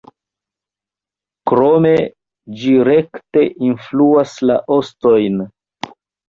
Krome ĝi rekte influas la ostojn.